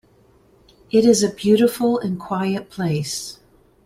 It is a beautiful and quiet place.